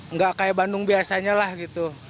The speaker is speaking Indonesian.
nggak kayak bandung biasanya lah gitu